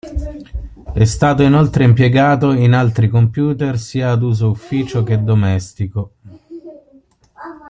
È stato inoltre impiegato in altri computer sia ad uso ufficio che domestico.